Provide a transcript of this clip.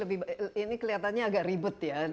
ini kelihatannya agak ribet ya